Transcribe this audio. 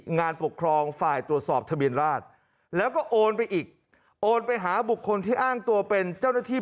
งานปกครองฝ่ายตรวจสอบทะเบียนราชแล้วก็โอนไปอีกโอนไปหาบุคคลที่อ้างตัวเป็นเจ้าหน้าที่